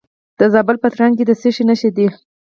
د زابل په ترنک کې د څه شي نښې دي؟